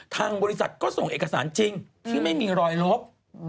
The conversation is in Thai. ทางบริษัทก็ส่งเอกสารจริงที่ไม่มีรอยลบ